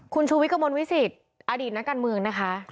คุณชูวิทย์กระมวลวิสิตอดีตนักการเมืองนะคะ